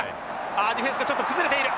あディフェンスがちょっと崩れている。